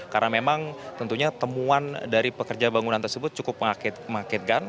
karena memang tentunya temuan dari pekerja bangunan tersebut cukup mengakitkan